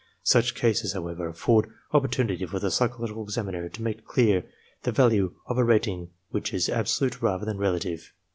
Such cases, however, afford oppor tunity for the psychological examiner to make clear the value of a rating which is absolute rather than relative.